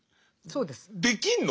そうです。